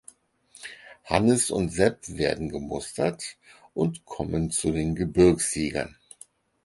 Hannes und Sepp werden gemustert und kommen zu den Gebirgsjägern.